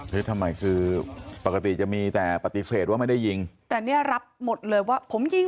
ทำไมคือปกติจะมีแต่ปฏิเสธว่าไม่ได้ยิงแต่เนี่ยรับหมดเลยว่าผมยิง